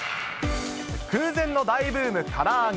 空前の大ブーム、から揚げ。